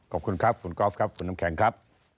ขอบคุณครับคุณกอล์ฟครับคุณน้ำแข็งครับ